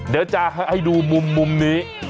เดี๋ยวจะให้ดูมุมนี้